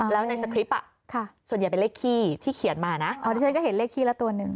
แล้วในสคริปต์ส่วนใหญ่เป็นเลขขี้ที่เขียนมานะอ๋อที่ฉันก็เห็นเลขขี้ละตัวหนึ่ง